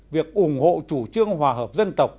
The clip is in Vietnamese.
việc ủng hộ chủ trương hòa hợp dân tộc